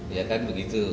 ya kan begitu